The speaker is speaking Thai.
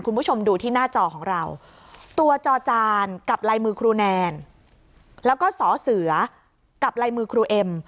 คุณผู้ชมดูที่หน้าจอของเราตัวจอจานกับลายมือครูแนนแล้วก็สอเสือกับลายมือครูเอ็ม